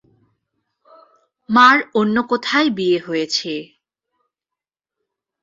মার অন্য কোথায় বিয়ে হয়েছে।